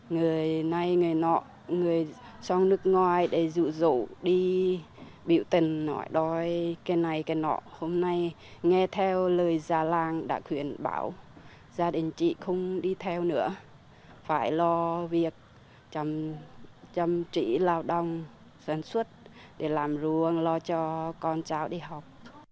người này người nọ người trong nước ngoài để dụ dỗ đi biểu tình nói đói cái này cái nọ hôm nay nghe theo lời già làng đã khuyên bảo gia đình chị không đi theo nữa phải lo việc chăm chỉ lao động sản xuất để làm ruông lo cho con cháu đi học